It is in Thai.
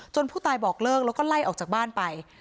ผู้ตายบอกเลิกแล้วก็ไล่ออกจากบ้านไป